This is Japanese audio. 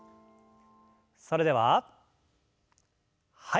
それでははい。